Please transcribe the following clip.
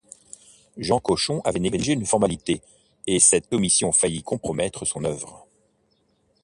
Jean Cochon avait négligé une formalité, et cette omission faillit compromettre son œuvre.